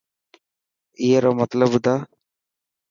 اي رو مطلب ٻڌا.